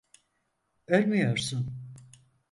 Ölmüyorsun.